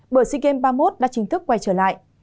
bởi sea games ba mươi một đã chính thức quay trở lại